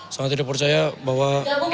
sangat tidak percaya bahwa